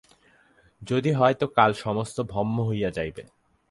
যদি হয় তো কাল সমস্ত ভস্ম হইয়া যাইবে।